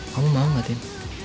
kamu mau gak tin